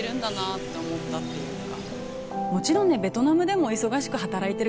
って思ったっていうか。